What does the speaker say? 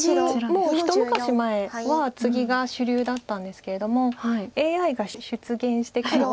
もう一昔前はツギが主流だったんですけれどもＡＩが出現してからは。